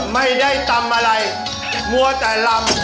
ไม่ได้ตำอะไรมัวแต่ลำ